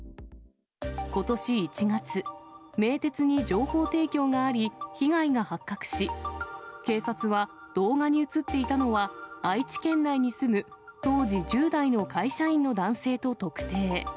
ことし１月、名鉄に情報提供があり、被害が発覚し、警察は、動画に写っていたのは愛知県内に住む当時１０代の会社員の男性と特定。